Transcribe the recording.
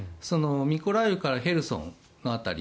ミコライウからヘルソンの辺り。